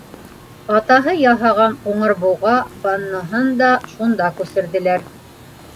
Атаһы яһаған «Ҡуңыр буға» панноһын да шунда күсерҙеләр.